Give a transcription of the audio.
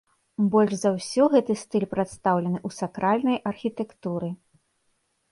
Больш за ўсё гэты стыль прадстаўлены ў сакральнай архітэктуры.